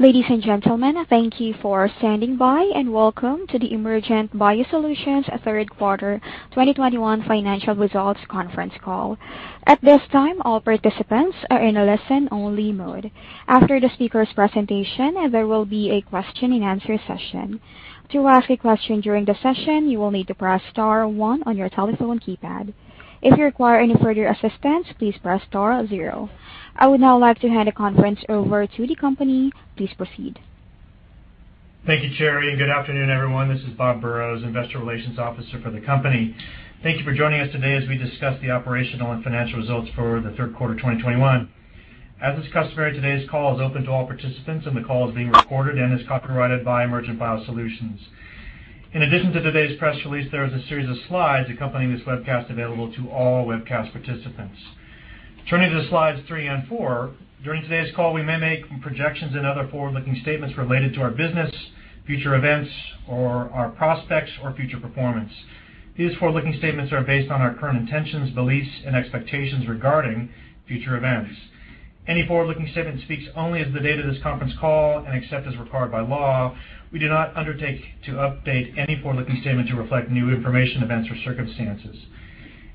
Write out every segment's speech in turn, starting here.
Ladies and gentlemen, thank you for standing by and welcome to the Emergent BioSolutions Third Quarter 2021 Financial Results Conference Call. At this time, all participants are in a listen-only mode. After the speaker's presentation, there will be a question-and-answer session. To ask a question during the session, you will need to Press Star one on your telephone keypad. If you require any further assistance, please Press Star zero. I would now like to hand the conference over to the company. Please proceed. Thank you, Cherry, and good afternoon, everyone. This is Robert Burrows, Investor Relations Officer for the company. Thank you for joining us today as we discuss the operational and financial results for the third quarter 2021. As is customary, today's call is open to all participants and the call is being recorded and is copyrighted by Emergent BioSolutions. In addition to today's press release, there is a series of slides accompanying this webcast available to all webcast participants. Turning to slides three and four. During today's call, we may make projections and other forward-looking statements related to our business, future events or our prospects or future performance. These forward-looking statements are based on our current intentions, beliefs, and expectations regarding future events. Any forward-looking statement speaks only as of the date of this conference call, and except as required by law, we do not undertake to update any forward-looking statement to reflect new information, events or circumstances.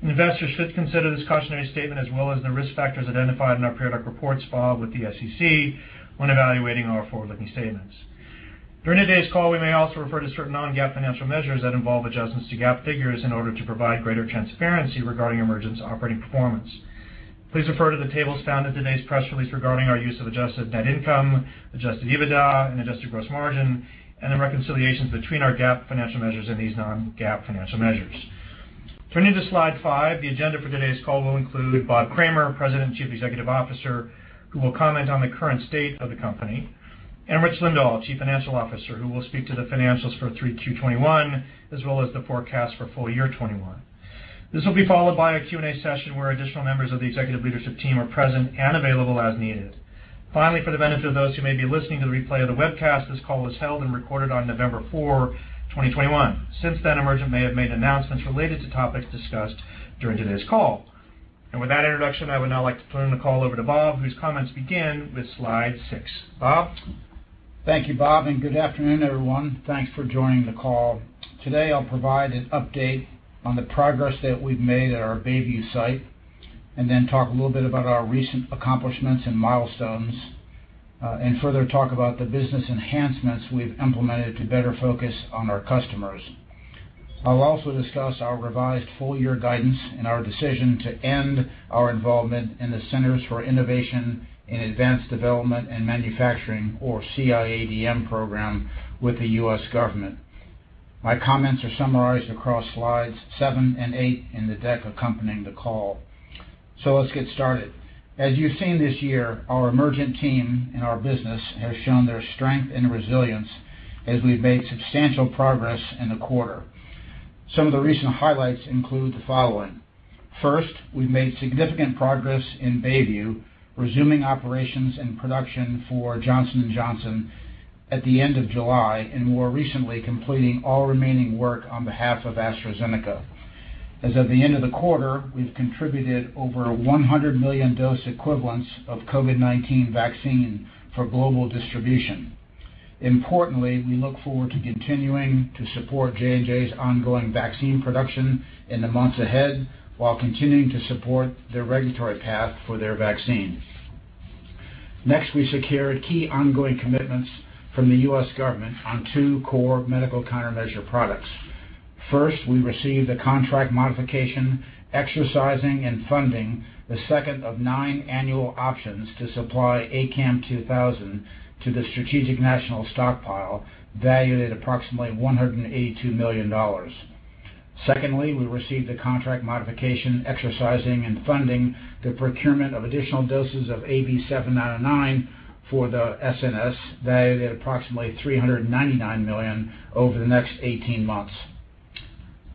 Investors should consider this cautionary statement as well as the risk factors identified in our periodic reports filed with the SEC when evaluating our forward-looking statements. During today's call, we may also refer to certain non-GAAP financial measures that involve adjustments to GAAP figures in order to provide greater transparency regarding Emergent's operating performance. Please refer to the tables found in today's press release regarding our use of adjusted net income, adjusted EBITDA and adjusted gross margin and the reconciliations between our GAAP financial measures and these non-GAAP financial measures. Turning to slide five. The agenda for today's call will include Bob Kramer, President and Chief Executive Officer, who will comment on the current state of the company, and Rich Lindahl, Chief Financial Officer, who will speak to the financials for 3Q 2021 as well as the forecast for full year 2021. This will be followed by a Q&A session where additional members of the executive leadership team are present and available as needed. Finally, for the benefit of those who may be listening to the replay of the webcast, this call was held and recorded on November fourth, 2021. Since then, Emergent may have made announcements related to topics discussed during today's call. With that introduction, I would now like to turn the call over to Bob, whose comments begin with slide 6. Bob. Thank you, Bob, and good afternoon, everyone. Thanks for joining the call. Today I'll provide an update on the progress that we've made at our Bayview site and then talk a little bit about our recent accomplishments and milestones, and further talk about the business enhancements we've implemented to better focus on our customers. I'll also discuss our revised full year guidance and our decision to end our involvement in the Center for Innovation in Advanced Development and Manufacturing or CIADM program with the U.S. government. My comments are summarized across slides seven and eight in the deck accompanying the call. Let's get started. As you've seen this year, our Emergent team and our business has shown their strength and resilience as we've made substantial progress in the quarter. Some of the recent highlights include the following. First, we've made significant progress in Bayview, resuming operations and production for Johnson & Johnson at the end of July and more recently completing all remaining work on behalf of AstraZeneca. As of the end of the quarter, we've contributed over 100 million dose equivalents of COVID-19 vaccine for global distribution. Importantly, we look forward to continuing to support J&J's ongoing vaccine production in the months ahead while continuing to support their regulatory path for their vaccine. Next, we secured key ongoing commitments from the U.S. government on two core medical countermeasure products. First, we received a contract modification exercising and funding the second of nine annual options to supply ACAM2000 to the Strategic National Stockpile valued at approximately $182 million. Secondly, we received a contract modification exercising and funding the procurement of additional doses of AV7909 for the SNS valued at approximately $399 million over the next 18 months.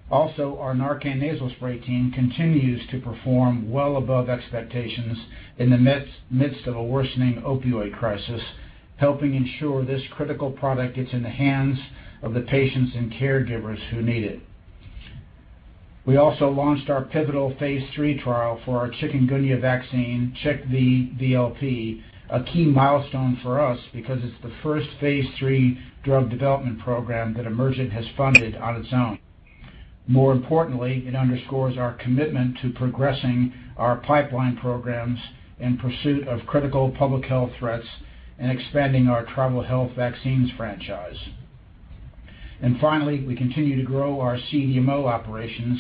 Also, our NARCAN nasal spray team continues to perform well above expectations in the midst of a worsening opioid crisis, helping ensure this critical product gets in the hands of the patients and caregivers who need it. We also launched our pivotal phase III trial for our chikungunya vaccine, CHIKV VLP, a key milestone for us because it's the first phase III drug development program that Emergent has funded on its own. More importantly, it underscores our commitment to progressing our pipeline programs in pursuit of critical public health threats and expanding our tribal health vaccines franchise. Finally, we continue to grow our CDMO operations,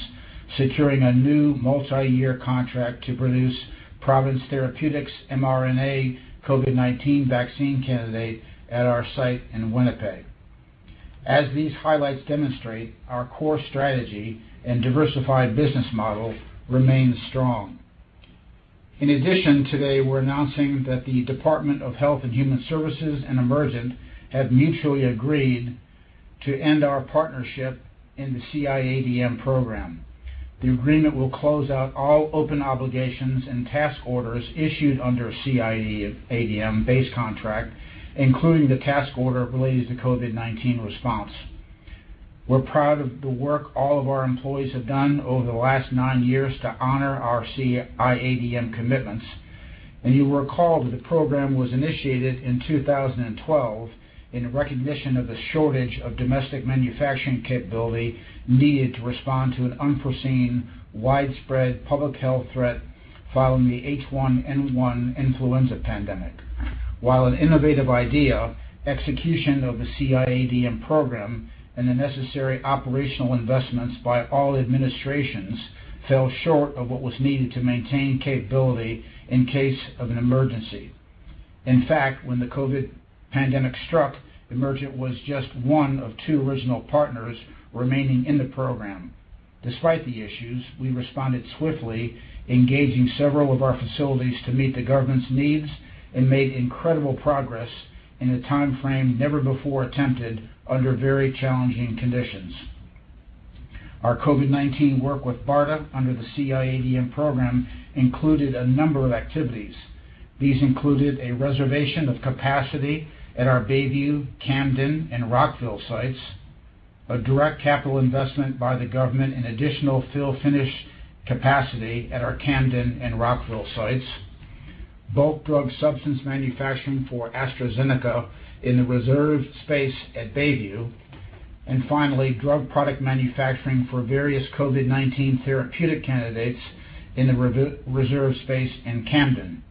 securing a new multi-year contract to produce Providence Therapeutics mRNA COVID-19 vaccine candidate at our site in Winnipeg. As these highlights demonstrate, our core strategy and diversified business model remains strong. In addition, today we're announcing that the Department of Health and Human Services and Emergent have mutually agreed to end our partnership in the CIADM program. The agreement will close out all open obligations and task orders issued under CIADM base contract, including the task order related to COVID-19 response. We're proud of the work all of our employees have done over the last nine years to honor our CIADM commitments. You'll recall that the program was initiated in 2012 in recognition of the shortage of domestic manufacturing capability needed to respond to an unforeseen, widespread public health threat following the H1N1 influenza pandemic. While an innovative idea, execution of the CIADM program and the necessary operational investments by all administrations fell short of what was needed to maintain capability in case of an emergency. In fact, when the COVID pandemic struck, Emergent was just one of two original partners remaining in the program. Despite the issues, we responded swiftly, engaging several of our facilities to meet the government's needs and made incredible progress in a timeframe never before attempted under very challenging conditions. Our COVID-19 work with BARDA under the CIADM program included a number of activities. These included a reservation of capacity at our Bayview, Camden, and Rockville sites, a direct capital investment by the government in additional fill finish capacity at our Camden and Rockville sites, bulk drug substance manufacturing for AstraZeneca in the reserved space at Bayview, and finally, drug product manufacturing for various COVID-19 therapeutic candidates in the re-reserved space in Camden.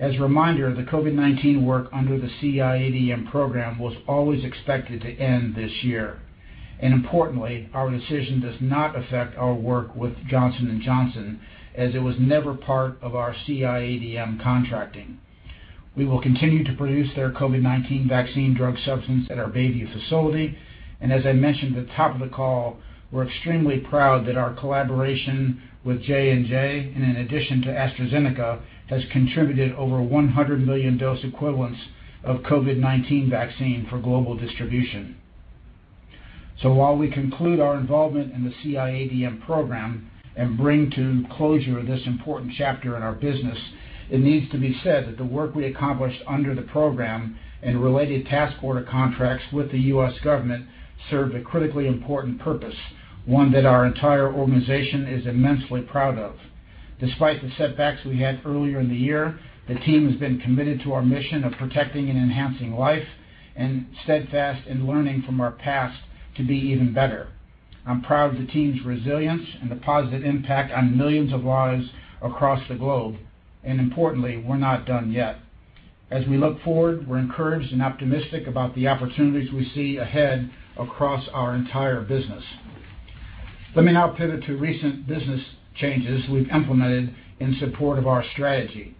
As a reminder, the COVID-19 work under the CIADM program was always expected to end this year. Importantly, our decision does not affect our work with Johnson & Johnson, as it was never part of our CIADM contracting. We will continue to produce their COVID-19 vaccine drug substance at our Bayview facility. As I mentioned at the top of the call, we're extremely proud that our collaboration with J&J, and in addition to AstraZeneca, has contributed over 100 million dose equivalents of COVID-19 vaccine for global distribution. While we conclude our involvement in the CIADM program and bring to closure this important chapter in our business, it needs to be said that the work we accomplished under the program and related task order contracts with the U.S. government served a critically important purpose, one that our entire organization is immensely proud of. Despite the setbacks we had earlier in the year, the team has been committed to our mission of protecting and enhancing life and steadfast in learning from our past to be even better. I'm proud of the team's resilience and the positive impact on millions of lives across the globe. Importantly, we're not done yet. As we look forward, we're encouraged and optimistic about the opportunities we see ahead across our entire business. Let me now pivot to recent business changes we've implemented in support of our strategy.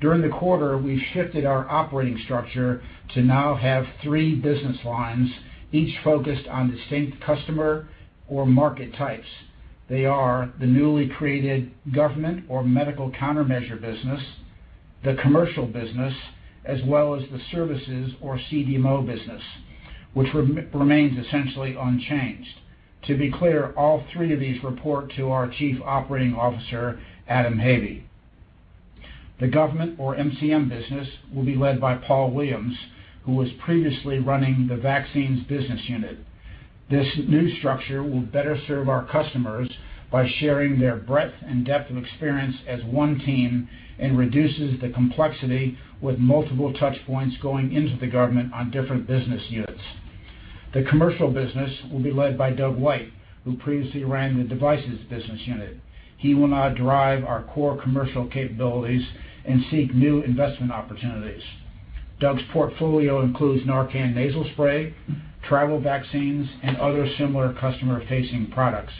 During the quarter, we shifted our operating structure to now have three business lines, each focused on distinct customer or market types. They are the newly created Government or Medical Countermeasure business, the Commercial Business, as well as the Services or CDMO business, which remains essentially unchanged. To be clear, all three of these report to our Chief Operating Officer, Adam Havey. The Government or MCM business will be led by Paul Williams, who was previously running the Vaccines Business Unit. This new structure will better serve our customers by sharing their breadth and depth of experience as one team and reduces the complexity with multiple touch points going into the government on different business units. The Commercial Business will be led by Doug White, who previously ran the Devices Business Unit. He will now drive our core commercial capabilities and seek new investment opportunities. Doug's portfolio includes NARCAN nasal spray, travel vaccines, and other similar customer-facing products.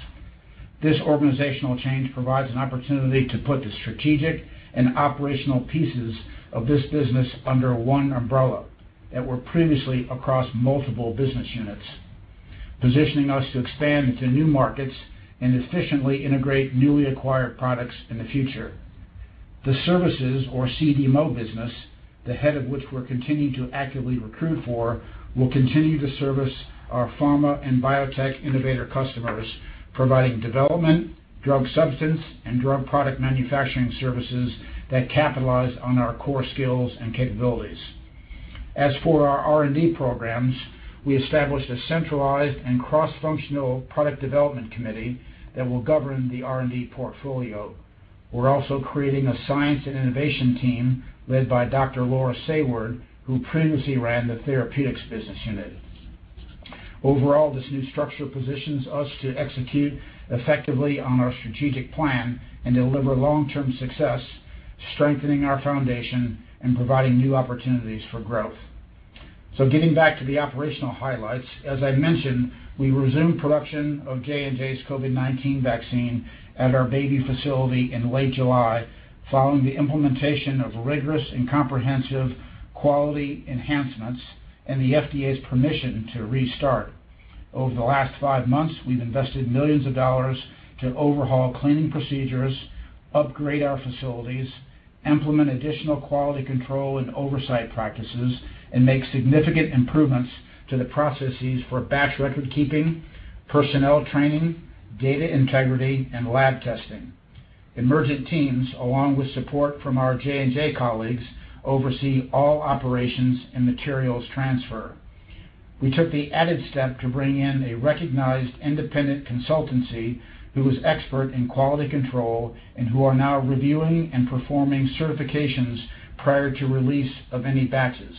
This organizational change provides an opportunity to put the strategic and operational pieces of this business under one umbrella that were previously across multiple business units, positioning us to expand into new markets and efficiently integrate newly acquired products in the future. The services or CDMO business, the head of which we're continuing to actively recruit for, will continue to service our pharma and biotech innovator customers, providing development, drug substance, and drug product manufacturing services that capitalize on our core skills and capabilities. As for our R&D programs, we established a centralized and cross-functional product development committee that will govern the R&D portfolio. We're also creating a science and innovation team led by Dr. Laura Sayward, who previously ran the therapeutics business unit. Overall, this new structure positions us to execute effectively on our strategic plan and deliver long-term success, strengthening our foundation and providing new opportunities for growth. Getting back to the operational highlights, as I mentioned, we resumed production of J&J's COVID-19 vaccine at our Bayview facility in late July, following the implementation of rigorous and comprehensive quality enhancements and the FDA's permission to restart. Over the last five months, we've invested $ millions to overhaul cleaning procedures, upgrade our facilities, implement additional quality control and oversight practices, and make significant improvements to the processes for batch record keeping, personnel training, data integrity, and lab testing. Emergent teams, along with support from our J&J colleagues, oversee all operations and materials transfer. We took the added step to bring in a recognized independent consultancy who is expert in quality control and who are now reviewing and performing certifications prior to release of any batches.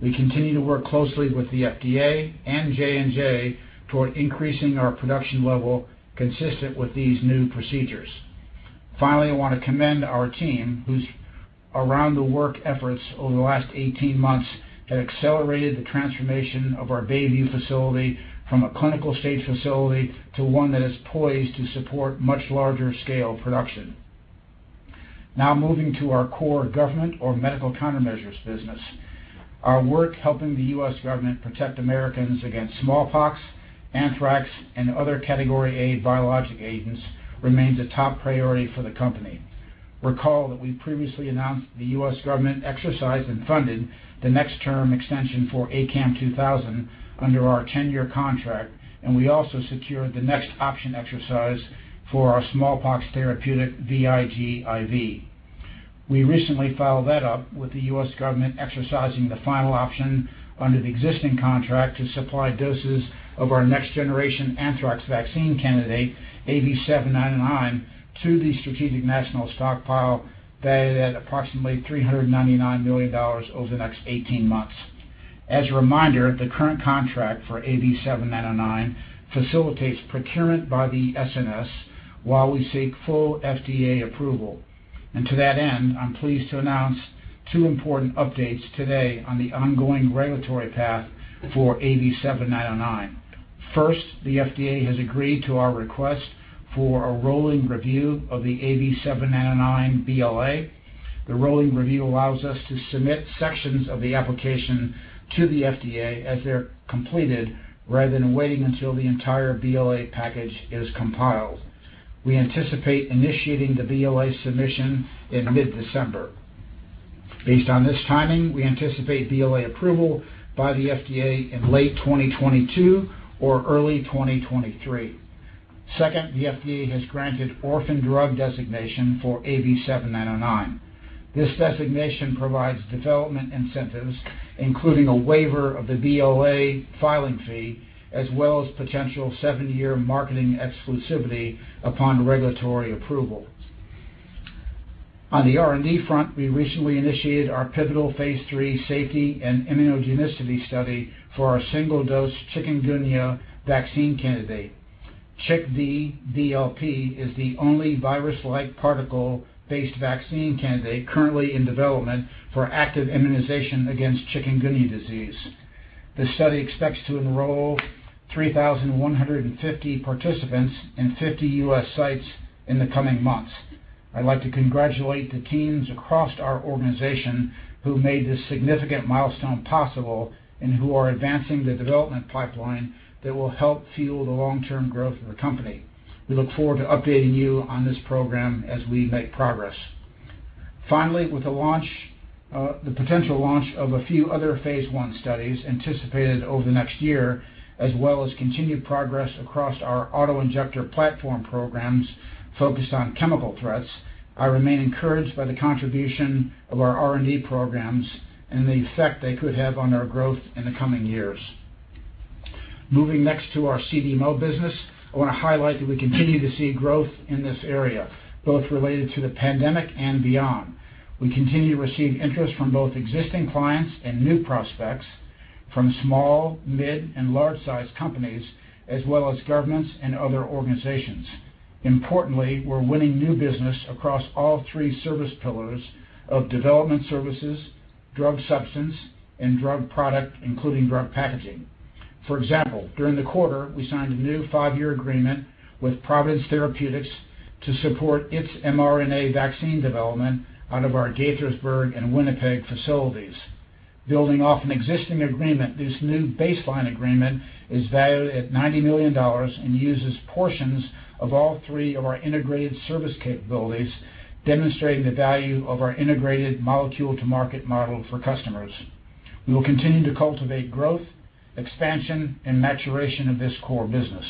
We continue to work closely with the FDA and J&J toward increasing our production level consistent with these new procedures. Finally, I want to commend our team whose around-the-clock efforts over the last 18 months that accelerated the transformation of our Bayview facility from a clinical stage facility to one that is poised to support much larger scale production. Now moving to our core government or medical countermeasures business. Our work helping the U.S. government protect Americans against smallpox, anthrax, and other category A biological agents remains a top priority for the company. Recall that we previously announced the U.S. government exercise and funded the next term extension for ACAM2000 under our 10-year contract, and we also secured the next option exercise for our smallpox therapeutic VIGIV. We recently followed that up with the U.S. government exercising the final option under the existing contract to supply doses of our next-generation anthrax vaccine candidate, AV7909, to the Strategic National Stockpile valued at approximately $399 million over the next 18 months. As a reminder, the current contract for AV7909 facilitates procurement by the SNS while we seek full FDA approval. To that end, I'm pleased to announce two important updates today on the ongoing regulatory path for AV7909. First, the FDA has agreed to our request for a rolling review of the AV7909 BLA. The rolling review allows us to submit sections of the application to the FDA as they're completed, rather than waiting until the entire BLA package is compiled. We anticipate initiating the BLA submission in mid-December. Based on this timing, we anticipate BLA approval by the FDA in late 2022 or early 2023. Second, the FDA has granted orphan drug designation for AV7909. This designation provides development incentives, including a waiver of the BLA filing fee, as well as potential seven year marketing exclusivity upon regulatory approval. On the R&D front, we recently initiated our pivotal phase III safety and immunogenicity study for our single-dose chikungunya vaccine candidate. CHIKV VLP is the only virus-like particle-based vaccine candidate currently in development for active immunization against chikungunya disease. The study expects to enroll 3,150 participants in 50 U.S. sites in the coming months. I'd like to congratulate the teams across our organization who made this significant milestone possible and who are advancing the development pipeline that will help fuel the long-term growth of the company. We look forward to updating you on this program as we make progress. Finally, with the launch, the potential launch of a few other phase I studies anticipated over the next year, as well as continued progress across our auto-injector platform programs focused on chemical threats, I remain encouraged by the contribution of our R&D programs and the effect they could have on our growth in the coming years. Moving next to our CDMO business, I want to highlight that we continue to see growth in this area, both related to the pandemic and beyond. We continue to receive interest from both existing clients and new prospects from small-, mid-, and large-sized companies as well as governments and other organizations. Importantly, we're winning new business across all three service pillars of development services, drug substance, and drug product, including drug packaging. For example, during the quarter, we signed a new five-year agreement with Providence Therapeutics to support its mRNA vaccine development out of our Gaithersburg and Winnipeg facilities. Building off an existing agreement, this new baseline agreement is valued at $90 million and uses portions of all three of our integrated service capabilities, demonstrating the value of our integrated molecule-to-market model for customers. We will continue to cultivate growth, expansion, and maturation of this core business.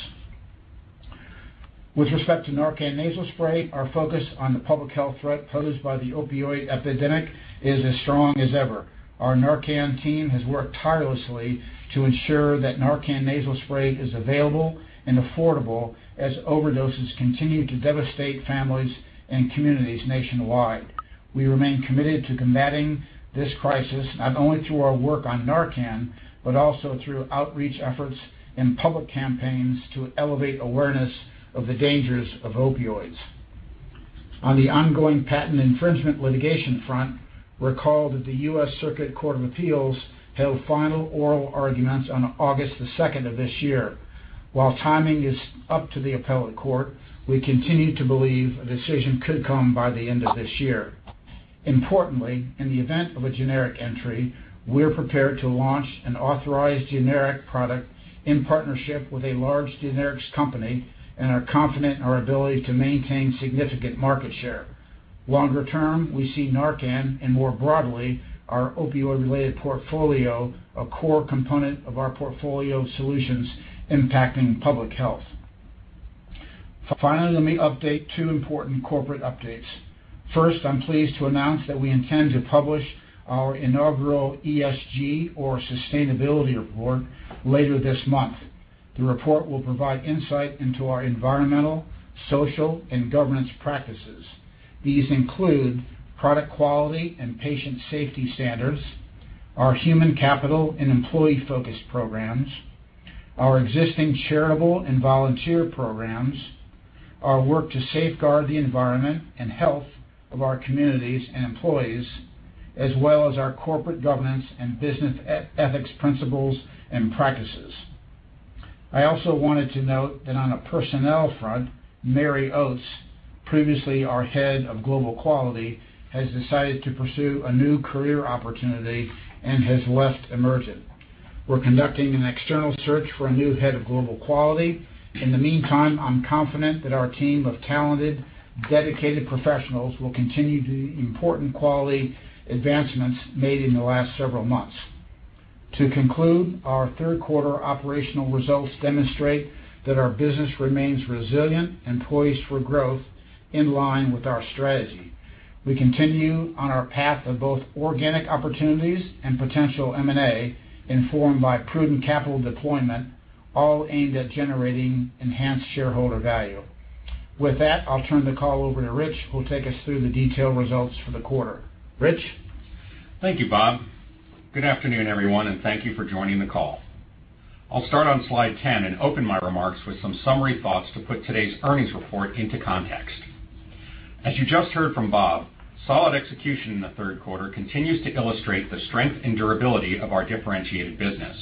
With respect to NARCAN nasal spray, our focus on the public health threat posed by the opioid epidemic is as strong as ever. Our NARCAN team has worked tirelessly to ensure that NARCAN nasal spray is available and affordable as overdoses continue to devastate families and communities nationwide. We remain committed to combating this crisis not only through our work on NARCAN, but also through outreach efforts and public campaigns to elevate awareness of the dangers of opioids. On the ongoing patent infringement litigation front, recall that the U.S. Circuit Court of Appeals held final oral arguments on August 2nd of this year. While timing is up to the appellate court, we continue to believe a decision could come by the end of this year. Importantly, in the event of a generic entry, we're prepared to launch an authorized generic product in partnership with a large generics company and are confident in our ability to maintain significant market share. Longer term, we see NARCAN and more broadly, our opioid-related portfolio, a core component of our portfolio solutions impacting public health. Finally, let me update two important corporate updates. First, I'm pleased to announce that we intend to publish our inaugural ESG or sustainability report later this month. The report will provide insight into our environmental, social, and governance practices. These include product quality and patient safety standards, our human capital and employee focus programs, our existing charitable and volunteer programs, our work to safeguard the environment and health of our communities and employees, as well as our corporate governance and business ethics, principles, and practices. I also wanted to note that on a personnel front, Mary Oates, previously our head of Global Quality, has decided to pursue a new career opportunity and has left Emergent. We're conducting an external search for a new head of Global Quality. In the meantime, I'm confident that our team of talented, dedicated professionals will continue the important quality advancements made in the last several months. To conclude, our third quarter operational results demonstrate that our business remains resilient and poised for growth in line with our strategy. We continue on our path of both organic opportunities and potential M&A, informed by prudent capital deployment, all aimed at generating enhanced shareholder value. With that, I'll turn the call over to Rich, who will take us through the detailed results for the quarter. Rich? Thank you, Bob. Good afternoon, everyone, and thank you for joining the call. I'll start on slide 10 and open my remarks with some summary thoughts to put today's earnings report into context. As you just heard from Bob, solid execution in the third quarter continues to illustrate the strength and durability of our differentiated business.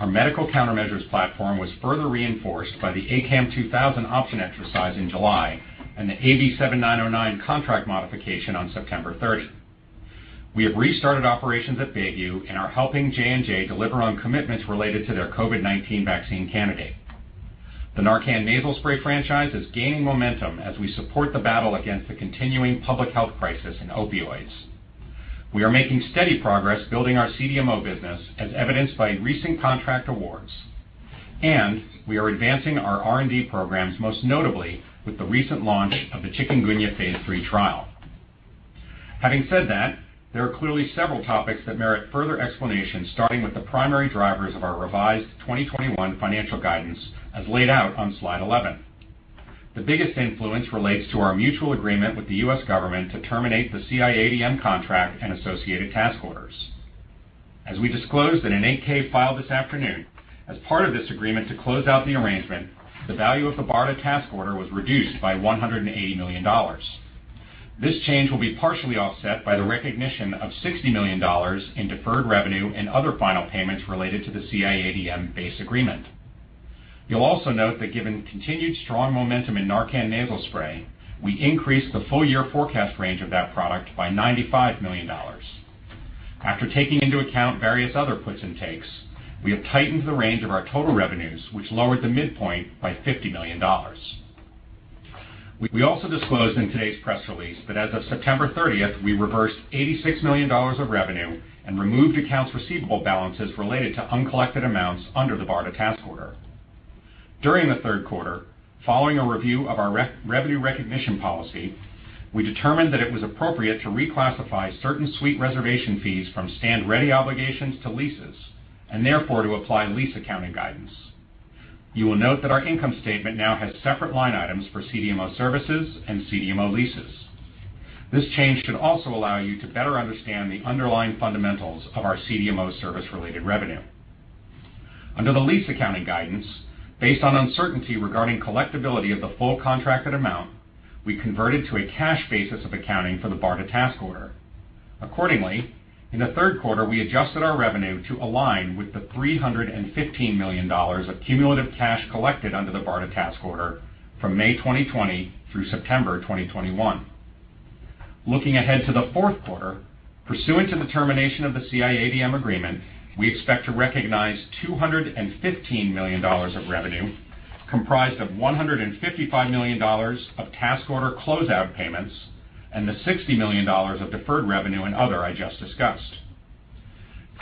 Our medical countermeasures platform was further reinforced by the ACAM2000 option exercise in July and the AV7909 contract modification on 30th September. We have restarted operations at Bayview and are helping J&J deliver on commitments related to their COVID-19 vaccine candidate. The NARCAN nasal spray franchise is gaining momentum as we support the battle against the continuing public health crisis in opioids. We are making steady progress building our CDMO business as evidenced by recent contract awards, and we are advancing our R&D programs, most notably with the recent launch of the chikungunya phase III trial. Having said that, there are clearly several topics that merit further explanation, starting with the primary drivers of our revised 2021 financial guidance as laid out on slide 11. The biggest influence relates to our mutual agreement with the U.S. government to terminate the CIADM contract and associated task orders. As we disclosed in an 8-K filed this afternoon, as part of this agreement to close out the arrangement, the value of the BARDA task order was reduced by $180 million. This change will be partially offset by the recognition of $60 million in deferred revenue and other final payments related to the CIADM base agreement. You'll also note that given continued strong momentum in NARCAN nasal spray, we increased the full-year forecast range of that product by $95 million. After taking into account various other puts and takes, we have tightened the range of our total revenues, which lowered the midpoint by $50 million. We also disclosed in today's press release that as of September 30, we reversed $86 million of revenue and removed accounts receivable balances related to uncollected amounts under the BARDA task order. During the third quarter, following a review of our revenue recognition policy, we determined that it was appropriate to reclassify certain suite reservation fees from stand-ready obligations to leases, and therefore to apply lease accounting guidance. You will note that our income statement now has separate line items for CDMO services and CDMO leases. This change should also allow you to better understand the underlying fundamentals of our CDMO service-related revenue. Under the lease accounting guidance, based on uncertainty regarding collectibility of the full contracted amount, we converted to a cash basis of accounting for the BARDA task order. Accordingly, in the third quarter, we adjusted our revenue to align with the $315 million of cumulative cash collected under the BARDA task order from May 2020 through September 2021. Looking ahead to the fourth quarter, pursuant to the termination of the CIADM agreement, we expect to recognize $215 million of revenue, comprised of $155 million of task order closeout payments and the $60 million of deferred revenue and other I just discussed.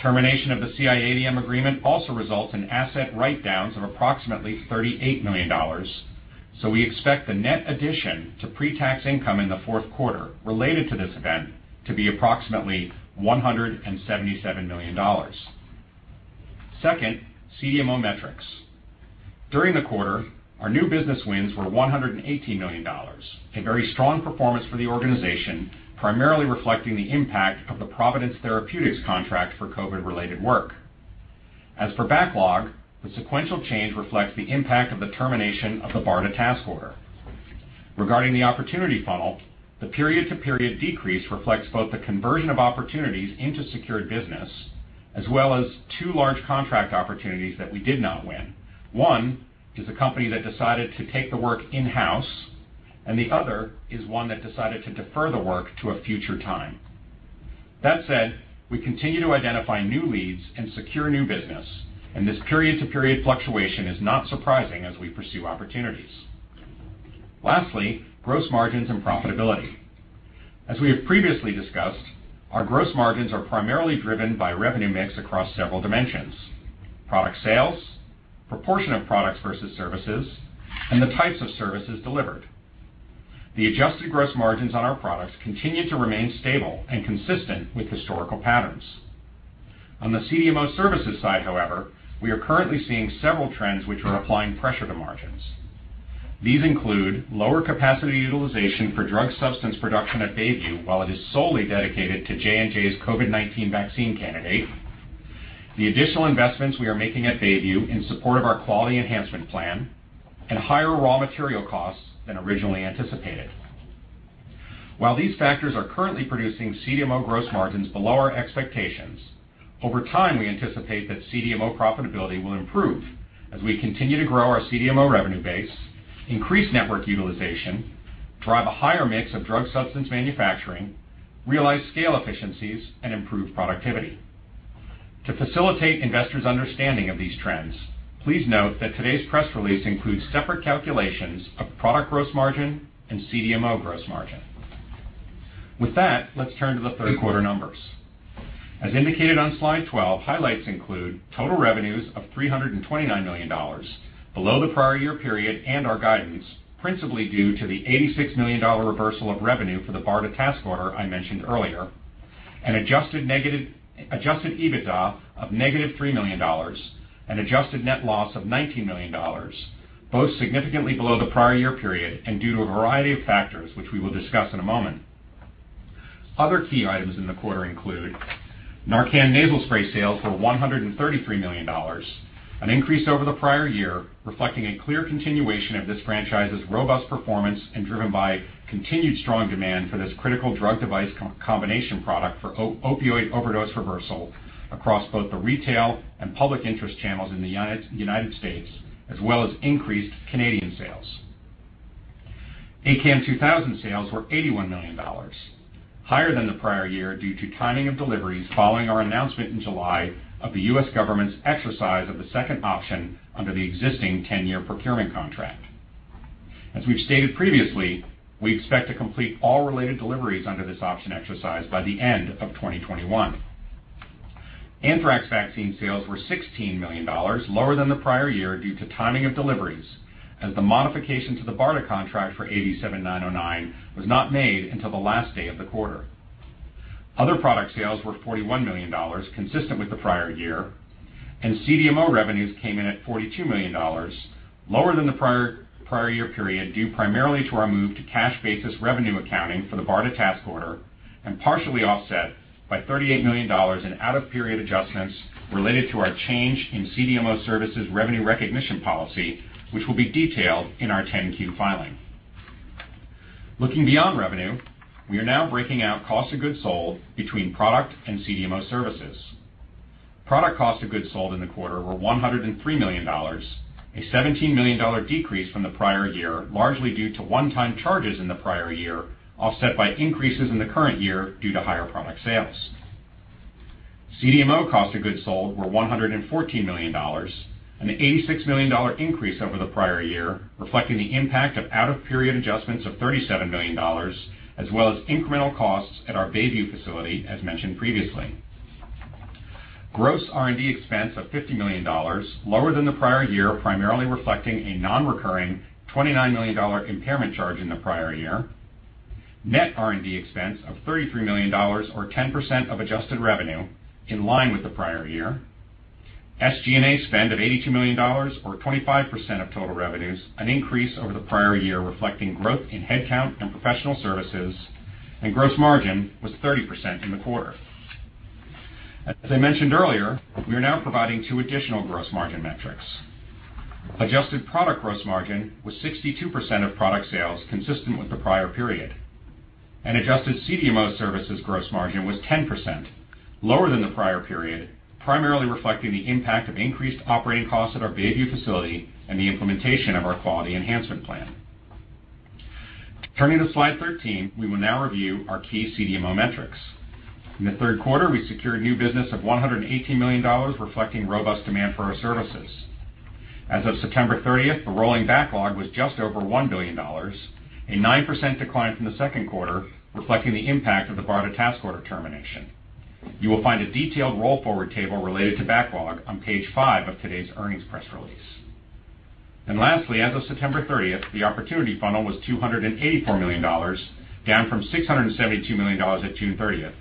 Termination of the CIADM agreement also results in asset write-downs of approximately $38 million. We expect the net addition to pre-tax income in the fourth quarter related to this event to be approximately $177 million. Second, CDMO metrics. During the quarter, our new business wins were $118 million, a very strong performance for the organization, primarily reflecting the impact of the Providence Therapeutics contract for COVID-related work. As for backlog, the sequential change reflects the impact of the termination of the BARDA task order. Regarding the opportunity funnel, the period-to-period decrease reflects both the conversion of opportunities into secured business, as well as two large contract opportunities that we did not win. One is a company that decided to take the work in-house, and the other is one that decided to defer the work to a future time. That said, we continue to identify new leads and secure new business, and this period-to-period fluctuation is not surprising as we pursue opportunities. Lastly, gross margins and profitability. As we have previously discussed, our gross margins are primarily driven by revenue mix across several dimensions, product sales, proportion of products versus services, and the types of services delivered. The adjusted gross margins on our products continue to remain stable and consistent with historical patterns. On the CDMO services side, however, we are currently seeing several trends which are applying pressure to margins. These include lower capacity utilization for drug substance production at Bayview while it is solely dedicated to J&J's COVID-19 vaccine candidate, the additional investments we are making at Bayview in support of our quality enhancement plan, and higher raw material costs than originally anticipated. While these factors are currently producing CDMO gross margins below our expectations, over time, we anticipate that CDMO profitability will improve as we continue to grow our CDMO revenue base, increase network utilization, drive a higher mix of drug substance manufacturing, realize scale efficiencies, and improve productivity. To facilitate investors' understanding of these trends, please note that today's press release includes separate calculations of product gross margin and CDMO gross margin. With that, let's turn to the third quarter numbers. As indicated on slide 12, highlights include total revenues of $329 million, below the prior year period and our guidance, principally due to the $86 million reversal of revenue for the BARDA task order I mentioned earlier, an adjusted EBITDA of negative $3 million, an adjusted net loss of $19 million, both significantly below the prior year period and due to a variety of factors which we will discuss in a moment. Other key items in the quarter include NARCAN nasal spray sales were $133 million, an increase over the prior year, reflecting a clear continuation of this franchise's robust performance and driven by continued strong demand for this critical drug device combination product for opioid overdose reversal across both the retail and public interest channels in the United States, as well as increased Canadian sales. ACAM2000 sales were $81 million, higher than the prior year due to timing of deliveries following our announcement in July of the U.S. government's exercise of the second option under the existing 10 year procurement contract. We've stated previously, we expect to complete all related deliveries under this option exercise by the end of 2021. Anthrax vaccine sales were $16 million, lower than the prior year due to timing of deliveries, as the modification to the BARDA contract for AV7909 was not made until the last day of the quarter. Other product sales were $41 million, consistent with the prior year, and CDMO revenues came in at $42 million, lower than the prior year period due primarily to our move to cash basis revenue accounting for the BARDA task order and partially offset by $38 million in out-of-period adjustments related to our change in CDMO services revenue recognition policy, which will be detailed in our 10-Q filing. Looking beyond revenue, we are now breaking out cost of goods sold between product and CDMO services. Product cost of goods sold in the quarter were $103 million, a $17 million decrease from the prior year, largely due to one-time charges in the prior year, offset by increases in the current year due to higher product sales. CDMO cost of goods sold were $114 million, an $86 million increase over the prior year, reflecting the impact of out-of-period adjustments of $37 million as well as incremental costs at our Bayview facility as mentioned previously. Gross R&D expense of $50 million, lower than the prior year, primarily reflecting a non-recurring $29 million impairment charge in the prior year. Net R&D expense of $33 million or 10% of adjusted revenue in line with the prior year. SG&A spend of $82 million or 25% of total revenues, an increase over the prior year reflecting growth in head count and professional services, and gross margin was 30% in the quarter. As I mentioned earlier, we are now providing two additional gross margin metrics. Adjusted product gross margin was 62% of product sales consistent with the prior period. A adjusted CDMO services gross margin was 10%, lower than the prior period, primarily reflecting the impact of increased operating costs at our Bayview facility and the implementation of our quality enhancement plan. Turning to slide 13, we will now review our key CDMO metrics. In the third quarter, we secured new business of $118 million reflecting robust demand for our services. As of September thirtieth, the rolling backlog was just over $1 billion, a 9% decline from the second quarter reflecting the impact of the BARDA task order termination. You will find a detailed roll forward table related to backlog on page five of today's earnings press release. Lastly, as of September thirtieth, the opportunity funnel was $284 million, down from $672 million at June thirtieth.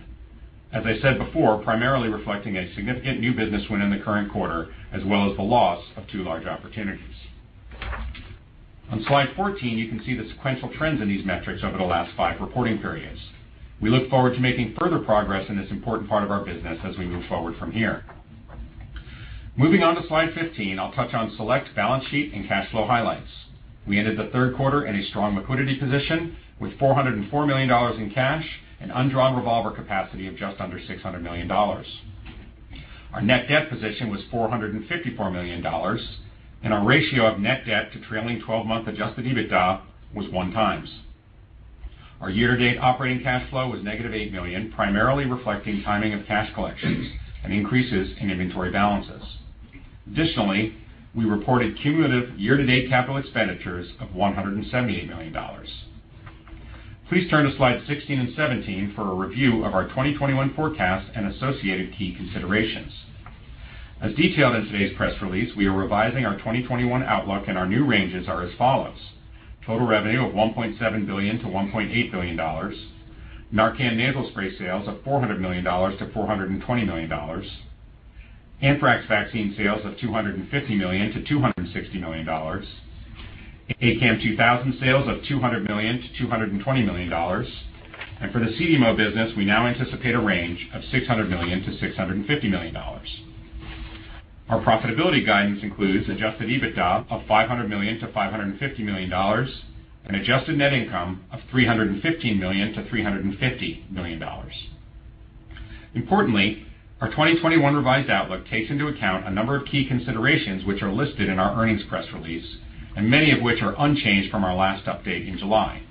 As I said before, primarily reflecting a significant new business win in the current quarter, as well as the loss of two large opportunities. On slide 14, you can see the sequential trends in these metrics over the last five reporting periods. We look forward to making further progress in this important part of our business as we move forward from here. Moving on to slide 15, I'll touch on select balance sheet and cash flow highlights. We ended the third quarter in a strong liquidity position with $404 million in cash and undrawn revolver capacity of just under $600 million. Our net debt position was $454 million, and our ratio of net debt to trailing 12 month adjusted EBITDA was 1x. Our year-to-date operating cash flow was negative $8 million, primarily reflecting timing of cash collections and increases in inventory balances. We reported cumulative year-to-date capital expenditures of $178 million. Please turn to slide 16 and 17 for a review of our 2021 forecast and associated key considerations. As detailed in today's press release, we are revising our 2021 outlook and our new ranges are as follows. Total revenue of $1.7 billion-$1.8 billion. NARCAN nasal spray sales of $400 million-$420 million. Anthrax vaccine sales of $250 million-$260 million. ACAM2000 sales of $200 million-$220 million. For the CDMO business, we now anticipate a range of $600 million-$650 million. Our profitability guidance includes adjusted EBITDA of $500 million-$550 million and adjusted net income of $315 million-$350 million. Importantly, our 2021 revised outlook takes into account a number of key considerations which are listed in our earnings press release and many of which are unchanged from our last update in July.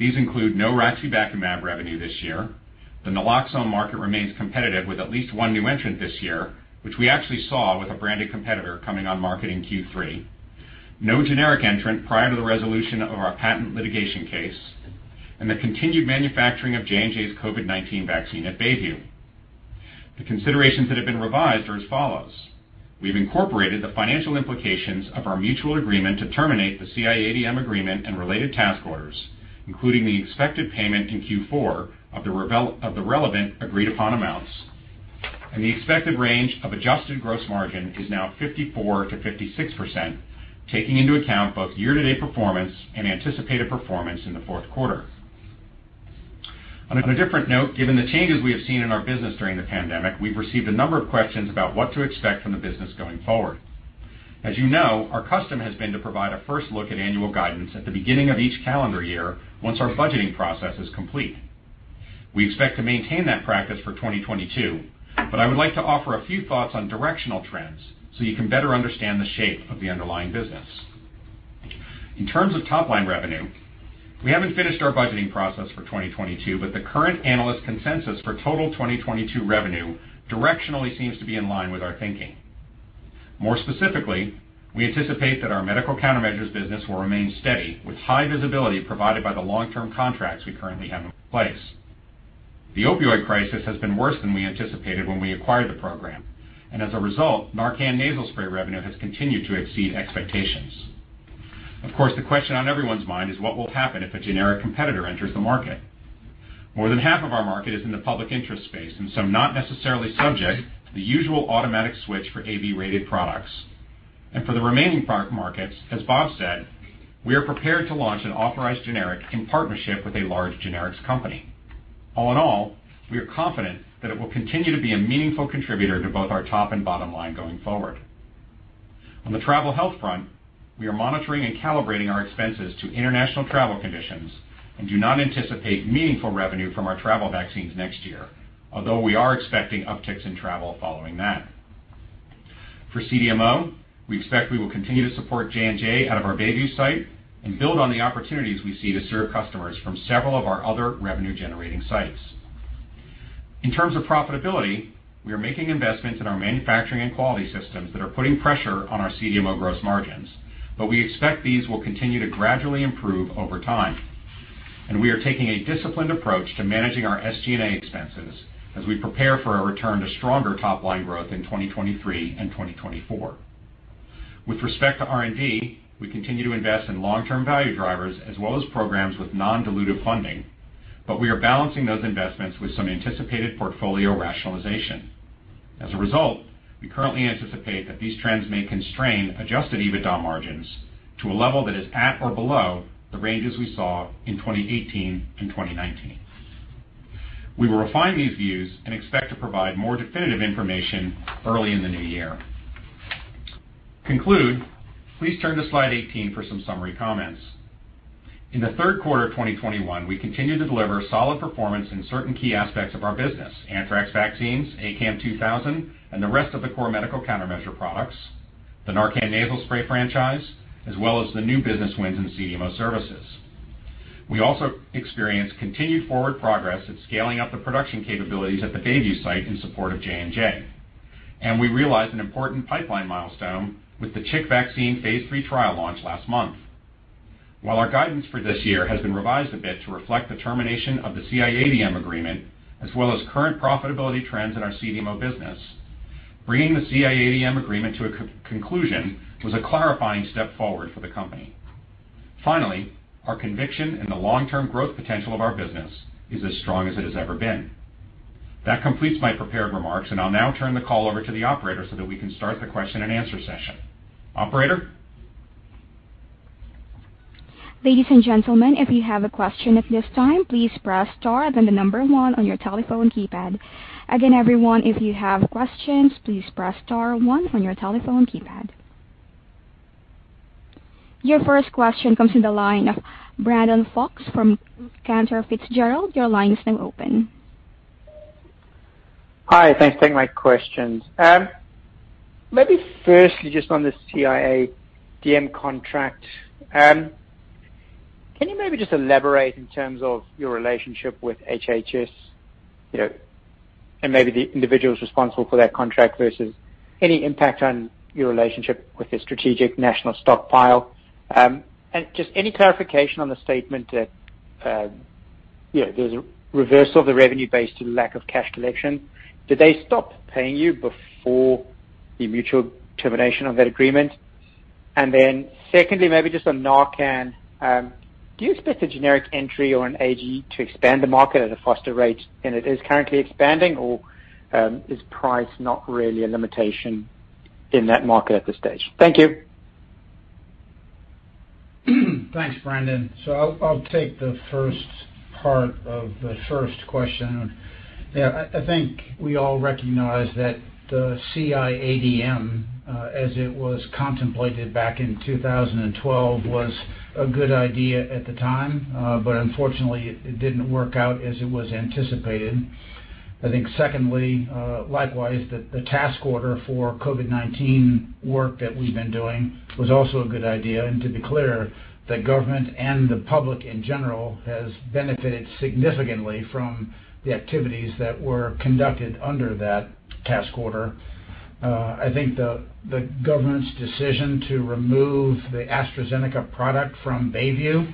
These include no raxibacumab revenue this year. The naloxone market remains competitive with at least one new entrant this year, which we actually saw with a branded competitor coming on market in Q3. No generic entrant prior to the resolution of our patent litigation case, and the continued manufacturing of J&J's COVID-19 vaccine at Bayview. The considerations that have been revised are as follows. We've incorporated the financial implications of our mutual agreement to terminate the CIADM agreement and related task orders, including the expected payment in Q4 of the relevant agreed upon amounts. The expected range of adjusted gross margin is now 54%-56%, taking into account both year-to-date performance and anticipated performance in the fourth quarter. On a different note, given the changes we have seen in our business during the pandemic, we've received a number of questions about what to expect from the business going forward. As you know, our custom has been to provide a first look at annual guidance at the beginning of each calendar year once our budgeting process is complete. We expect to maintain that practice for 2022, but I would like to offer a few thoughts on directional trends so you can better understand the shape of the underlying business. In terms of top line revenue, we haven't finished our budgeting process for 2022, but the current analyst consensus for total 2022 revenue directionally seems to be in line with our thinking. More specifically, we anticipate that our medical countermeasures business will remain steady with high visibility provided by the long-term contracts we currently have in place. The opioid crisis has been worse than we anticipated when we acquired the program, and as a result, NARCAN nasal spray revenue has continued to exceed expectations. Of course, the question on everyone's mind is what will happen if a generic competitor enters the market? More than half of our market is in the public interest space and so not necessarily subject to the usual automatic switch for AB-rated products. For the remaining part markets, as Bob said, we are prepared to launch an authorized generic in partnership with a large generics company. All in all, we are confident that it will continue to be a meaningful contributor to both our top and bottom line going forward. On the travel health front, we are monitoring and calibrating our expenses to international travel conditions and do not anticipate meaningful revenue from our travel vaccines next year, although we are expecting upticks in travel following that. For CDMO, we expect we will continue to support J&J out of our Bayview site and build on the opportunities we see to serve customers from several of our other revenue-generating sites. In terms of profitability, we are making investments in our manufacturing and quality systems that are putting pressure on our CDMO gross margins, but we expect these will continue to gradually improve over time. We are taking a disciplined approach to managing our SG&A expenses as we prepare for a return to stronger top line growth in 2023 and 2024. With respect to R&D, we continue to invest in long-term value drivers as well as programs with non-dilutive funding, but we are balancing those investments with some anticipated portfolio rationalization. As a result, we currently anticipate that these trends may constrain adjusted EBITDA margins to a level that is at or below the ranges we saw in 2018 and 2019. We will refine these views and expect to provide more definitive information early in the new year. In conclusion, please turn to slide 18 for some summary comments. In the third quarter of 2021, we continued to deliver solid performance in certain key aspects of our business, anthrax vaccines, ACAM2000 and the rest of the core medical countermeasure products, the NARCAN nasal spray franchise, as well as the new business wins in CDMO services. We also experienced continued forward progress at scaling up the production capabilities at the Bayview site in support of J&J. We realized an important pipeline milestone with the chikungunya vaccine phase III trial launch last month. While our guidance for this year has been revised a bit to reflect the termination of the CIADM agreement, as well as current profitability trends in our CDMO business, bringing the CIADM agreement to a conclusion was a clarifying step forward for the company. Our conviction in the long-term growth potential of our business is as strong as it has ever been. That completes my prepared remarks, and I'll now turn the call over to the operator so that we can start the question and answer session. Operator? Ladies and gentlemen, if you have a question at this time, please press star then the number one on your telephone keypad. Again, everyone, if you have questions, please press star one on your telephone keypad. Your first question comes in the line of Brandon Folkes from Cantor Fitzgerald. Your line is now open. Hi. Thanks. Take my questions. Maybe firstly, just on the CIADM contract, can you maybe just elaborate in terms of your relationship with HHS, you know, and maybe the individuals responsible for that contract versus any impact on your relationship with the Strategic National Stockpile? Just any clarification on the statement that, you know, there's a reversal of the revenue due to the lack of cash collection. Did they stop paying you before the mutual termination of that agreement? Then secondly, maybe just on Narcan, do you expect a generic entry or an AG to expand the market at a faster rate than it is currently expanding or, is price not really a limitation in that market at this stage? Thank you. Thanks, Brandon. I'll take the first part of the first question. Yeah, I think we all recognize that the CIADM, as it was contemplated back in 2012 was a good idea at the time, but unfortunately, it didn't work out as it was anticipated. I think secondly, likewise, the task order for COVID-19 work that we've been doing was also a good idea. To be clear, the government and the public in general has benefited significantly from the activities that were conducted under that task order. I think the government's decision to remove the AstraZeneca product from Bayview,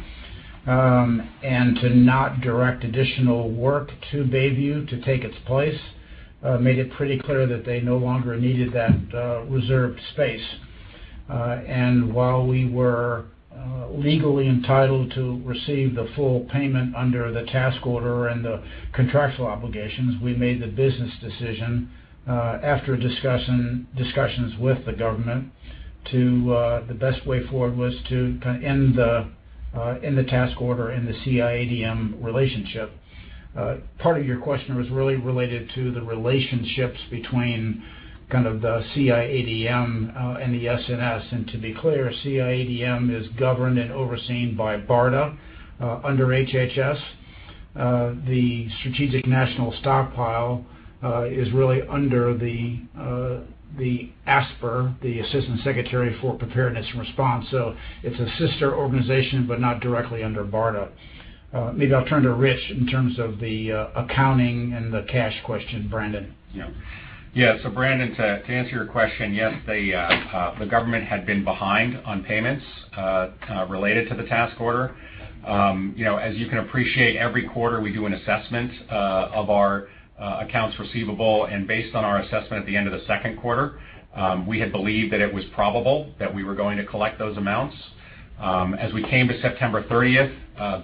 and to not direct additional work to Bayview to take its place, made it pretty clear that they no longer needed that reserved space. While we were legally entitled to receive the full payment under the task order and the contractual obligations, we made the business decision after discussions with the government to the best way forward was to kinda end the task order and the CIADM relationship. Part of your question was really related to the relationships between kind of the CIADM and the SNS. To be clear, CIADM is governed and overseen by BARDA under HHS. The Strategic National Stockpile is really under the ASPR, the Assistant Secretary for Preparedness and Response. It's a sister organization, but not directly under BARDA. Maybe I'll turn to Rich in terms of the accounting and the cash question, Brandon. Brandon, to answer your question, yes, the government had been behind on payments related to the task order. You know, as you can appreciate, every quarter, we do an assessment of our accounts receivable. Based on our assessment at the end of the second quarter, we had believed that it was probable that we were going to collect those amounts. As we came to September thirtieth,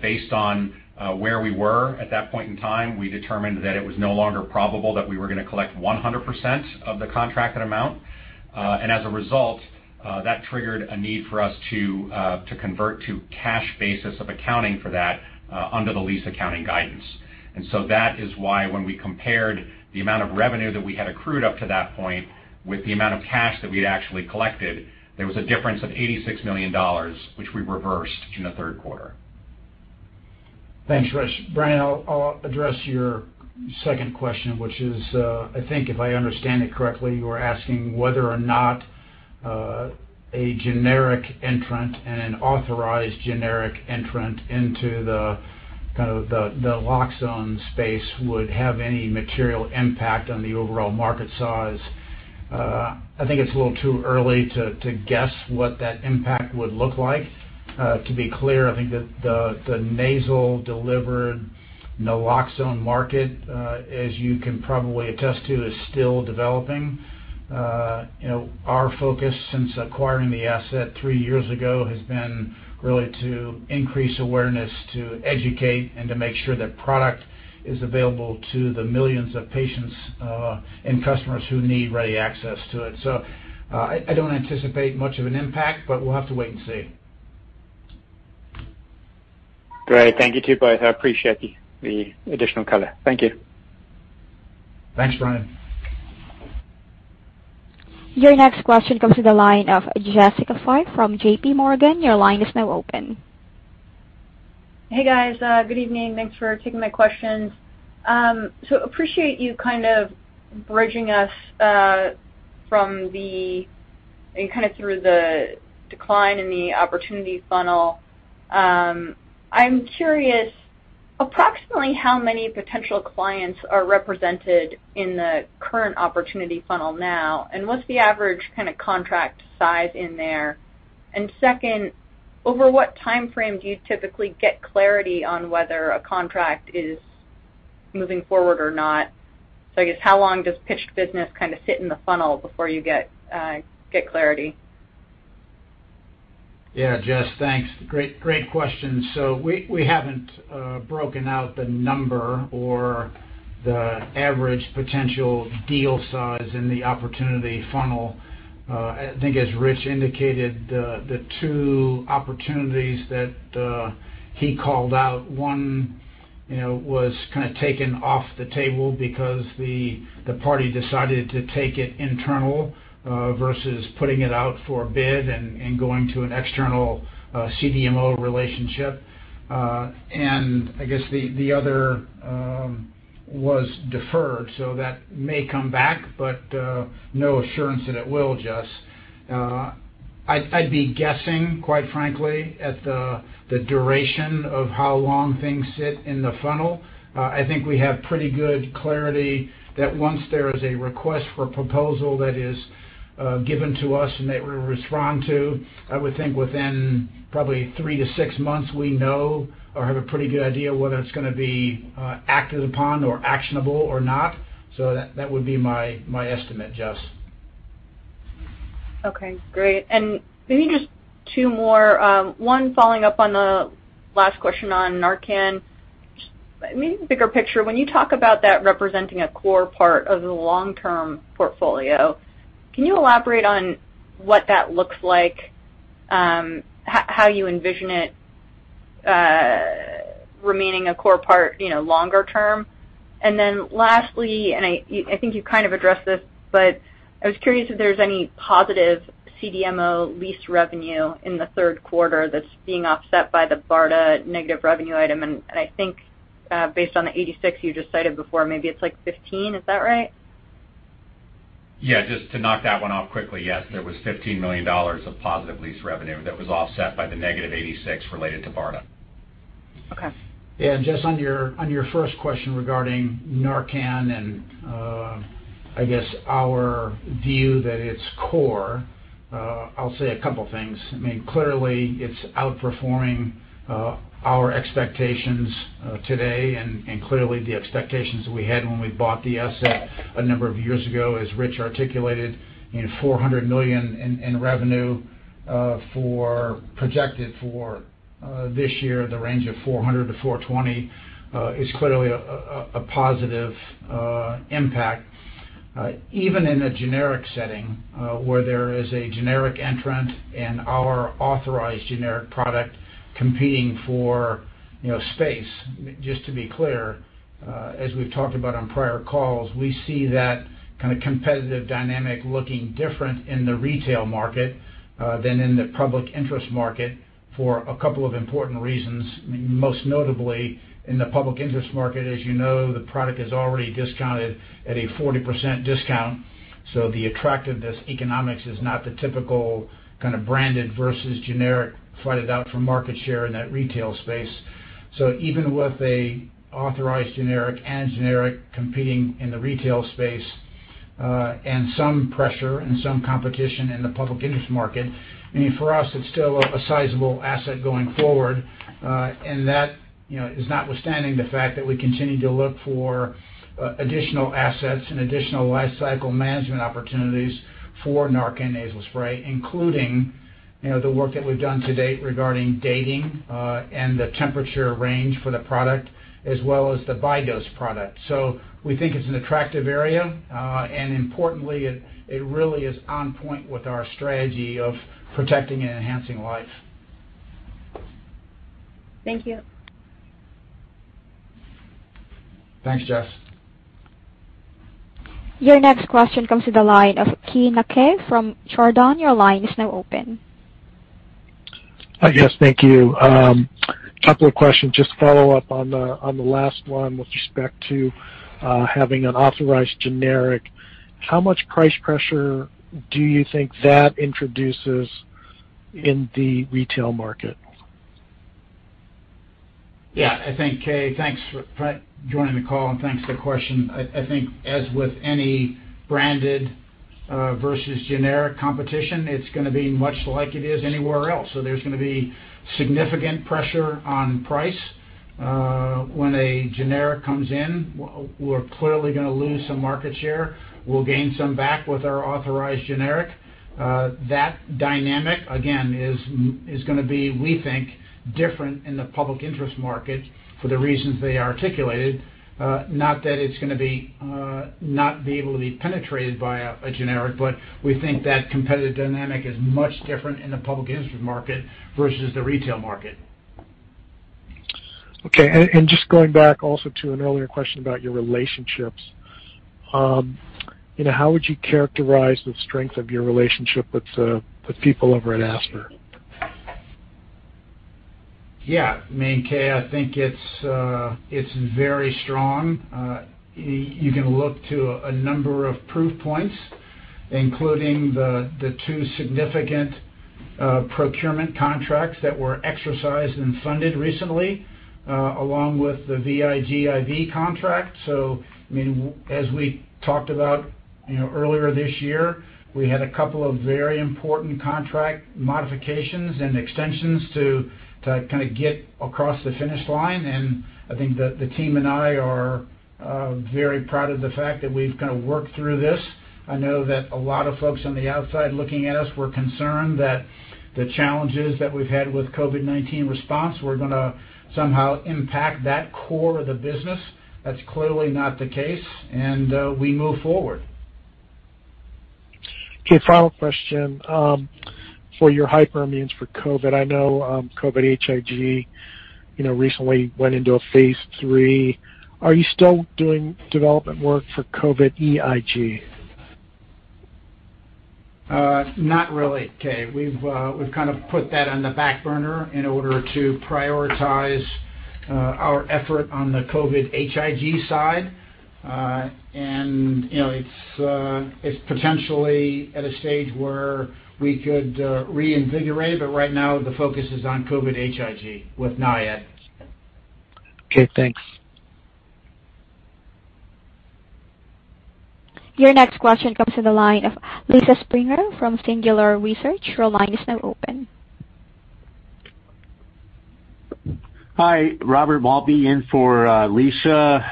based on where we were at that point in time, we determined that it was no longer probable that we were gonna collect 100% of the contracted amount. As a result, that triggered a need for us to convert to cash basis of accounting for that under the lease accounting guidance. That is why when we compared the amount of revenue that we had accrued up to that point with the amount of cash that we had actually collected, there was a difference of $86 million, which we reversed in the third quarter. Thanks, Rich. Brandon, I'll address your second question, which is, I think if I understand it correctly, you are asking whether or not a generic entrant and an authorized generic entrant into the kind of the naloxone space would have any material impact on the overall market size. I think it's a little too early to guess what that impact would look like. To be clear, I think the nasal delivered naloxone market, as you can probably attest to, is still developing. You know, our focus since acquiring the asset three years ago has been really to increase awareness, to educate and to make sure that product is available to the millions of patients and customers who need ready access to it. I don't anticipate much of an impact, but we'll have to wait and see. Great. Thank you to you both. I appreciate the additional color. Thank you. Thanks, Brandon. Your next question comes to the line of Jessica Fye from J.P. Morgan. Your line is now open. Hey, guys. Good evening. Thanks for taking my questions. I appreciate you kind of bridging us through the decline in the opportunity funnel. I'm curious approximately how many potential clients are represented in the current opportunity funnel now, and what's the average kinda contract size in there? Second, over what timeframe do you typically get clarity on whether a contract is moving forward or not? I guess how long does pitched business kinda sit in the funnel before you get clarity? Yeah. Jess, thanks. Great question. We haven't broken out the number or the average potential deal size in the opportunity funnel. I think as Rich indicated, the two opportunities that he called out, one you know was kinda taken off the table because the party decided to take it internal versus putting it out for bid and going to an external CDMO relationship. I guess the other was deferred, so that may come back, but no assurance that it will, Jess. I'd be guessing, quite frankly, at the duration of how long things sit in the funnel. I think we have pretty good clarity that once there is a request for proposal that is given to us and that we respond to, I would think within probably 3-6 months, we know or have a pretty good idea whether it's gonna be acted upon or actionable or not. That would be my estimate, Jess. Okay, great. Maybe just two more. One following up on the last question on NARCAN. Just maybe the bigger picture, when you talk about that representing a core part of the long-term portfolio, can you elaborate on what that looks like, how you envision it remaining a core part, you know, longer term? Then lastly, I think you kind of addressed this, but I was curious if there's any positive CDMO lease revenue in the third quarter that's being offset by the BARDA negative revenue item. I think, based on the 86 you just cited before, maybe it's like 15. Is that right? Yeah. Just to knock that one off quickly, yes, there was $15 million of positive lease revenue that was offset by the -$86 million related to BARDA. Okay. Yeah. Just on your first question regarding NARCAN and, I guess, our view that it's core, I'll say a couple things. I mean, clearly it's outperforming our expectations today, and clearly the expectations that we had when we bought the asset a number of years ago, as Rich articulated, you know, $400 million in revenue projected for this year in the range of $400-$420 is clearly a positive impact. Even in a generic setting, where there is a generic entrant and our authorized generic product competing for, you know, space, just to be clear, as we've talked about on prior calls, we see that kind of competitive dynamic looking different in the retail market, than in the public interest market for a couple of important reasons. Most notably, in the public interest market, as you know, the product is already discounted at a 40% discount, so the attractiveness economics is not the typical kind of branded versus generic fight it out for market share in that retail space. Even with a authorized generic and generic competing in the retail space, and some pressure and some competition in the public interest market, I mean, for us, it's still a sizable asset going forward. That, you know, is notwithstanding the fact that we continue to look for additional assets and additional lifecycle management opportunities for NARCAN nasal spray, including, you know, the work that we've done to date regarding dating and the temperature range for the product as well as the BioThrax product. We think it's an attractive area. Importantly, it really is on point with our strategy of protecting and enhancing life. Thank you. Thanks, Jess. Your next question comes to the line of Keay Nakae from Chardan. Your line is now open. Yes. Thank you. Couple of questions. Just follow up on the last one with respect to having an authorized generic. How much price pressure do you think that introduces in the retail market? Yeah, I think, Kay, thanks for joining the call and thanks for the question. I think as with any branded versus generic competition, it's gonna be much like it is anywhere else. There's gonna be significant pressure on price. When a generic comes in, we're clearly gonna lose some market share. We'll gain some back with our authorized generic. That dynamic, again, is gonna be, we think, different in the public interest market for the reasons they articulated. Not that it's gonna be not be able to be penetrated by a generic, but we think that competitive dynamic is much different in the public interest market versus the retail market. Okay. Just going back also to an earlier question about your relationships. You know, how would you characterize the strength of your relationship with the people over at ASPR? Yeah. I mean, Kay, I think it's very strong. You can look to a number of proof points, including the two significant procurement contracts that were exercised and funded recently, along with the VIGIV contract. I mean, as we talked about, you know, earlier this year, we had a couple of very important contract modifications and extensions to kinda get across the finish line. I think the team and I are very proud of the fact that we've kinda worked through this. I know that a lot of folks on the outside looking at us were concerned that the challenges that we've had with COVID-19 response were gonna somehow impact that core of the business. That's clearly not the case, and we move forward. Okay, final question. For your hyperimmunes for COVID. I know, COVID-HIG recently went into phase III. Are you still doing development work for COVID-EIG? Not really, Kay. We've kind of put that on the back burner in order to prioritize our effort on the COVID-HIG side. It's potentially at a stage where we could reinvigorate, but right now the focus is on COVID-HIG with NIAID. Okay, thanks. Your next question comes to the line of Lisa Springer from Singular Research. Your line is now open. Hi, Robert Mauldin in for Lisa.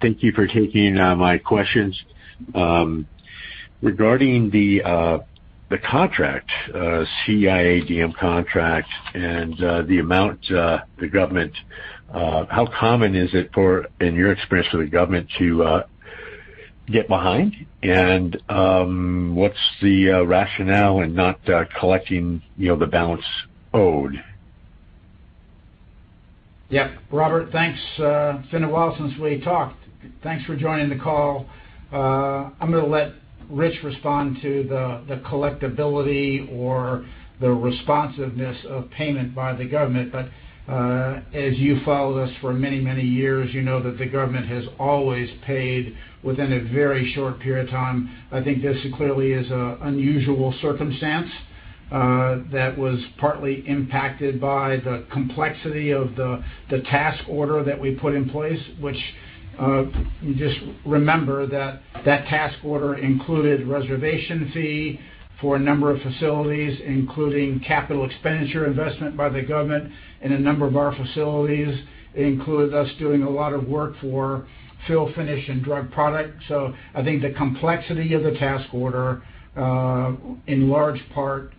Thank you for taking my questions. Regarding the contract, CIADM contract and the amount the government. How common is it for, in your experience with the government, to get behind? What's the rationale in not collecting, you know, the balance owed? Yeah. Robert, thanks. It's been a while since we talked. Thanks for joining the call. I'm gonna let Rich respond to the collectibility or the responsiveness of payment by the government. As you followed us for many, many years, you know that the government has always paid within a very short period of time. I think this clearly is a unusual circumstance that was partly impacted by the complexity of the task order that we put in place. Just remember that that task order included reservation fee for a number of facilities, including capital expenditure investment by the government in a number of our facilities. It included us doing a lot of work for fill-finish and drug product. I think the complexity of the task order in large part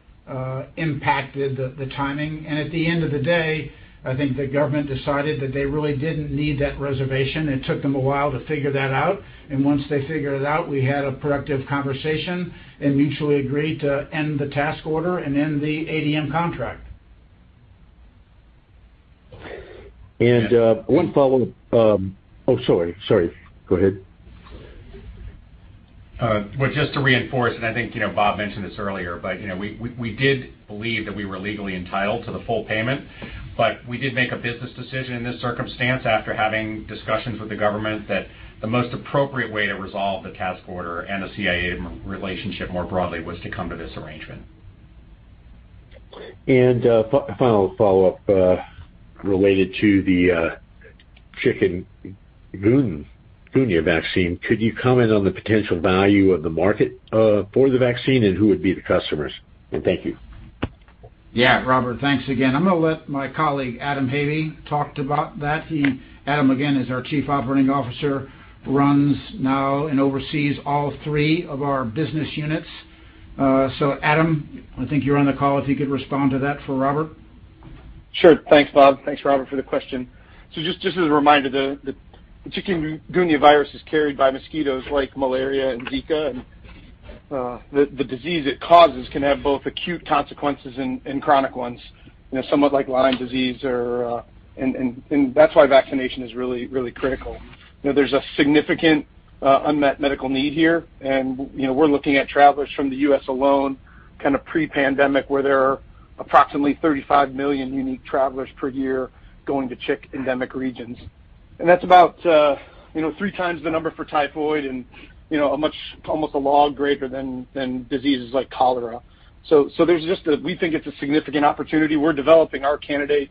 impacted the timing. At the end of the day, I think the government decided that they really didn't need that reservation. It took them a while to figure that out, and once they figured it out, we had a productive conversation and mutually agreed to end the task order and end the CIADM contract. One follow-up. Oh, sorry. Go ahead. Just to reinforce, I think, you know, Bob mentioned this earlier, but, you know, we did believe that we were legally entitled to the full payment. We did make a business decision in this circumstance after having discussions with the government that the most appropriate way to resolve the task order and the CIADM relationship more broadly was to come to this arrangement. Final follow-up related to the chikungunya vaccine. Could you comment on the potential value of the market for the vaccine and who would be the customers? Thank you. Yeah. Robert, thanks again. I'm gonna let my colleague, Adam Havey, talk about that. He, Adam, again, is our Chief Operating Officer, runs now and oversees all three of our business units. Adam, I think you're on the call if you could respond to that for Robert. Sure. Thanks, Bob. Thanks, Robert, for the question. Just as a reminder, the chikungunya virus is carried by mosquitoes like malaria and Zika. The disease it causes can have both acute consequences and chronic ones, you know, somewhat like Lyme disease. That's why vaccination is really critical. You know, there's a significant unmet medical need here. We're looking at travelers from the U.S. alone, kinda pre-pandemic, where there are approximately 35 million unique travelers per year going to chikungunya-endemic regions. That's about three times the number for typhoid and a much, almost a log greater than diseases like cholera. We think it's a significant opportunity. We're developing our candidate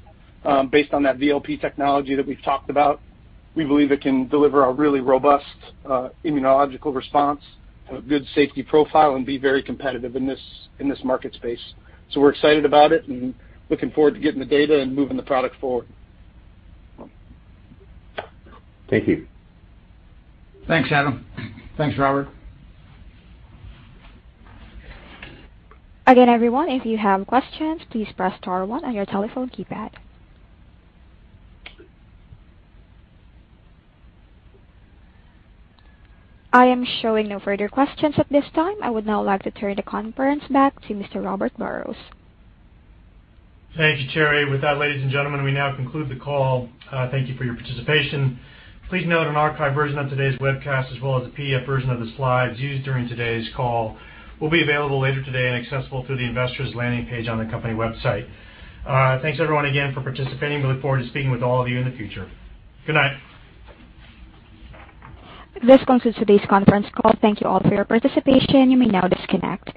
based on that VLP technology that we've talked about. We believe it can deliver a really robust immunological response and a good safety profile and be very competitive in this, in this market space. We're excited about it and looking forward to getting the data and moving the product forward. Thank you. Thanks, Adam. Thanks, Robert. Again, everyone, if you have questions, please press star one on your telephone keypad. I am showing no further questions at this time. I would now like to turn the conference back to Mr. Robert Burrows. Thank you, Terry. With that, ladies and gentlemen, we now conclude the call. Thank you for your participation. Please note an archived version of today's webcast, as well as a PDF version of the slides used during today's call will be available later today and accessible through the investors' landing page on the company website. Thanks everyone again for participating. We look forward to speaking with all of you in the future. Good night. This concludes today's Conference call. Thank you all for your participation. You may now disconnect.